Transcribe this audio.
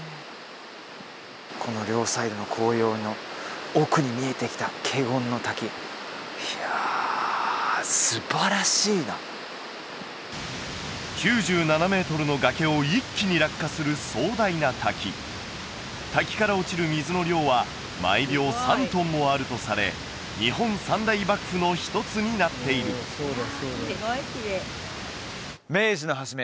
この両サイドの紅葉の奥に見えてきた華厳の滝いやすばらしいな９７メートルの崖を一気に落下する壮大な滝滝から落ちる水の量は毎秒３トンもあるとされ日本三大瀑布の一つになっている明治の初め